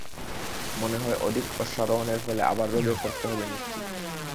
মনে হয়, অধিক অশ্বারোহণের ফলে আবার রোগে পড়তে হবে নিশ্চিত।